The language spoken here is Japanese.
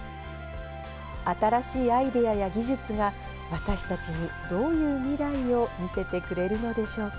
新しいアイデアや技術が、私たちにどういう未来を見せてくれるのでしょうか。